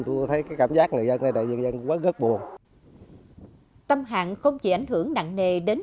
tôi thấy cái cảm giác người dân này đại dân dân quá rất buồn tâm hạn không chỉ ảnh hưởng nặng nề đến